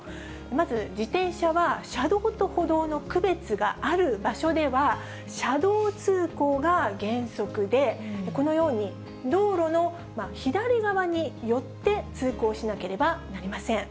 まず自転車は、車道と歩道の区別がある場所では、車道通行が原則で、このように道路の左側に寄って通行しなければなりません。